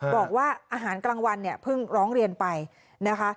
บอกว่าอาหารกลางวันเนี่ยเพิ่งร้องเรียนไปนะคะ